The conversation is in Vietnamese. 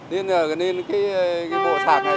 nên cái bộ sạc này